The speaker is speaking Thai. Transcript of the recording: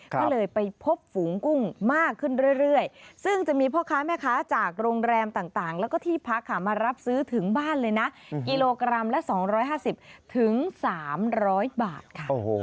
ก็เลยไปพบฝูงกุ้งมากขึ้นเรื่อยซึ่งจะมีพ่อค้าแม่ค้าจากโรงแรมต่างแล้วก็ที่พักค่ะมารับซื้อถึงบ้านเลยนะกิโลกรัมละ๒๕๐๓๐๐บาทค่ะ